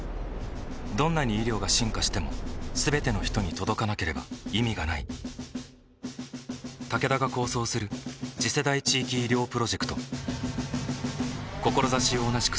どんなに医療が進化しても全ての人に届かなければ意味がないタケダが構想する次世代地域医療プロジェクト志を同じくするあらゆるパートナーと手を組んで実用化に挑む